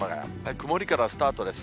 曇りからスタートです。